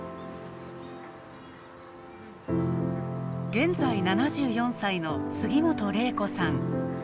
現在７４歳の杉本令子さん。